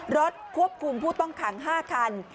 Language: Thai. รถควบคุมผู้ต้องขัง๕คัน